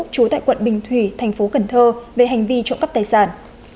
trú tại quận bình thủy thành phố cần thơ về hành vi trộm cắp tài sản